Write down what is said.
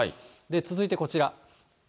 続いてこちら。